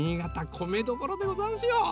こめどころでござんすよ！